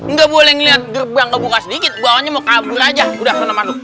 nggak boleh ngeliat gerbang kebuka sedikit bawahnya mau kabur aja udah pernah masuk